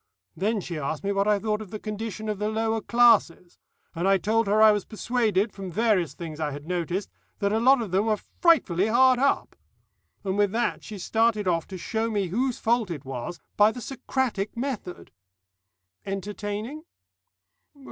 Then she asked me what I thought of the condition of the lower classes, and I told her I was persuaded, from various things I had noticed, that a lot of them were frightfully hard up. And with that she started off to show whose fault it was, by the Socratic method." "Entertaining?"